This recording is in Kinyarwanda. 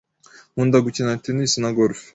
Nkunda gukina tennis na golf.